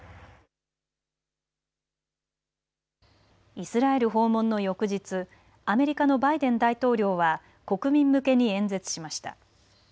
イスラエル訪問の翌日アメリカのバイデン大統領は国民向けに演説しました。